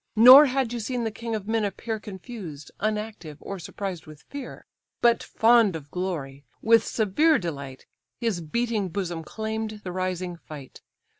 Nor had you seen the king of men appear Confused, unactive, or surprised with fear; But fond of glory, with severe delight, His beating bosom claim'd the rising fight.